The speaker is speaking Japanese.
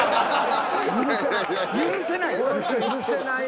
「許せない！」。